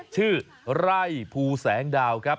ชื่อไร่ภูแสงดาวครับ